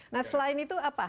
nah selain itu apa